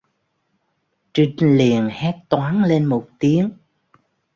trinh liền hét toáng lên một tiếng